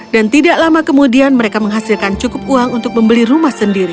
dan tidak lama kemudian mereka menghasilkan cukup uang untuk membeli rumah sendiri